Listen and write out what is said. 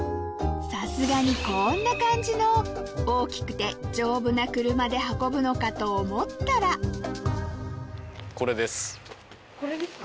さすがにこんな感じの大きくて丈夫な車で運ぶのかと思ったらこれですか？